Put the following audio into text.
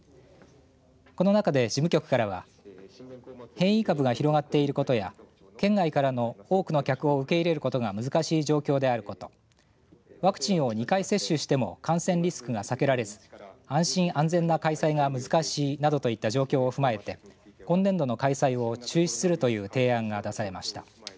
この中で事務局からは変異株が広がっていることや県外からの多くの客を受け入れることが難しい状況であることワクチンを２回接種しても感染リスクが避けられず安心、安全な開催が難しいなどといった状況を踏まえて今年度の開催を中止するという提案が出されました。